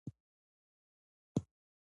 ساینسپوهان د اسټروېډونو نقشې جوړوي.